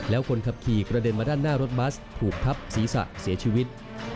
แล้วคนขับขี่กระเด็นมาด้านหน้ารถบัสถูกทับศีรษะเสียชีวิต